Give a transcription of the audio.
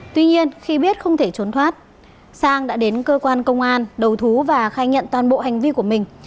tuy nhiên khi biết không thể trốn thoát sang đã đến cơ quan công an đầu thú và khai nhận toàn bộ hành vi của mình